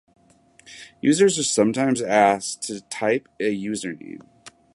Users are sometimes asked to type a username.